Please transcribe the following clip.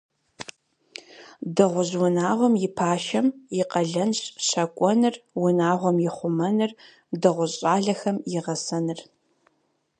Дыгъужь унагъуэм и пашэм и къалэнщ щакӏуэныр, унагъуэм и хъумэныр, дыгъужь щӏалэхэм и гъэсэныр.